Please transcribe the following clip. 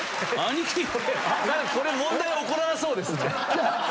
これ問題起こらなそうですね。